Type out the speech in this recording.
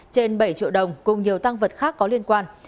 trên bảy triệu đồng cùng nhiều tăng vật khác có liên quan